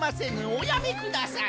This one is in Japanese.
おやめください。